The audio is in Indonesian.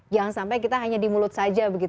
jangan sampai kita hanya di mulut saja